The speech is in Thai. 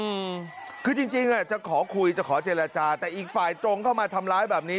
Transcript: อืมคือจริงจริงอ่ะจะขอคุยจะขอเจรจาแต่อีกฝ่ายตรงเข้ามาทำร้ายแบบนี้